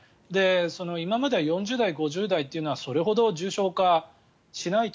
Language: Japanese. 今までは４０代、５０代というのはそれほど重症化しないと。